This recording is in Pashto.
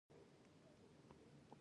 بلوڅان په نیمروز کې اوسیږي؟